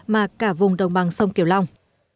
mà cả vùng đồng bằng sông kiều long